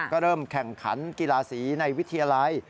ก็เริ่มแข่งขันกีฬาสีในวิทยาลัย